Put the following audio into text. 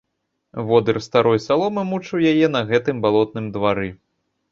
Водыр старой саломы мучыў яе на гэтым балотным двары.